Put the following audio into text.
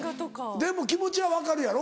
でも気持ちは分かるやろ？